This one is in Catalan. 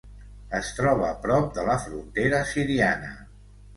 Es troba prop de la frontera siriana.